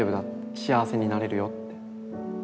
幸せになれるよって。